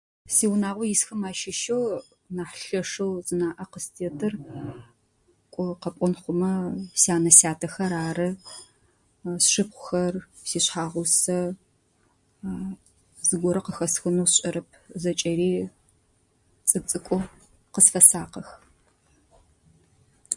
Сиунагъо исхэм ащыщэу нахь лъэшэу зынаӏэ къыстетыр, кӏо къэпӏон хъумэ: сянэ сятэхэ ары, сшыпхъухэр, сишъхъэгъусэ. Зыгорэ къыхэсхынэу сшӏэрэп, зэкӏэри цӏыкӏу-цӏыкӏоу къысфэсакъых.